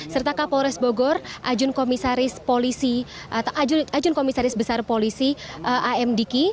serta kapolres bogor ajun komisaris polisi atau ajun komisaris besar polisi amdki